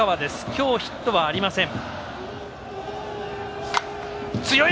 今日、ヒットはありません。